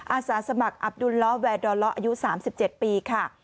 อาสาสมัครอับดุลล้อแวร์ดอลล้ออายุ๓๗ปีค่ะ